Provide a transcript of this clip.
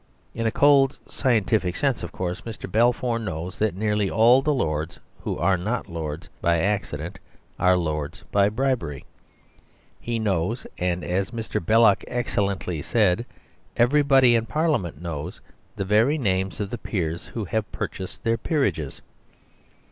In a cold, scientific sense, of course, Mr. Balfour knows that nearly all the Lords who are not Lords by accident are Lords by bribery. He knows, and (as Mr. Belloc excellently said) everybody in Parliament knows the very names of the peers who have purchased their peerages.